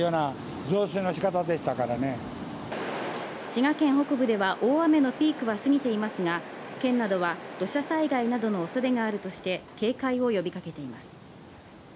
滋賀県北部では大雨のピークは過ぎていますが、県などは土砂災害などの恐れがあるとして、警戒を呼びかけています。